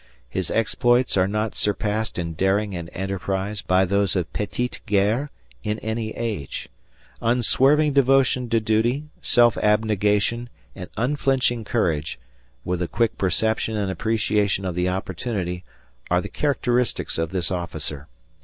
His exploits are not surpassed in daring and enterprise by those of petite guerre in any age. Unswerving devotion to duty, self abnegation, and unflinching courage, with a quick perception and appreciation of the opportunity, are the characteristics of this officer.